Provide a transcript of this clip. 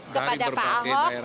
kepada pak ahok